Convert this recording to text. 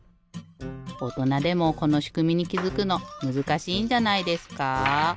おとなでもこのしくみにきづくのむずかしいんじゃないですか？